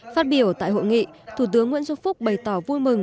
phát biểu tại hội nghị thủ tướng nguyễn xuân phúc bày tỏ vui mừng